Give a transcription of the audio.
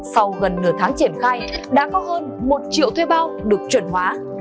sau gần nửa tháng triển khai đã có hơn một triệu thuê bao được chuẩn hóa